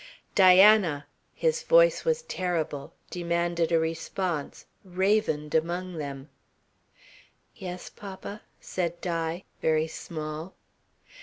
"Diana!" his voice was terrible, demanded a response, ravened among them. "Yes, papa," said Di, very small.